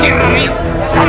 sekarang sekarang sekarang